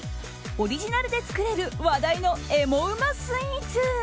オリジナルで作れる話題のエモうまスイーツ。